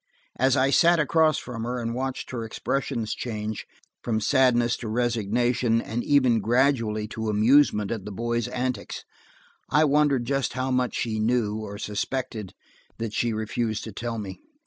As I sat across from her, and watched her expressions change, from sadness to resignation, and even gradually to amusement at the boys' antics, I wondered just how much she knew, or suspected, that she refused to tell me.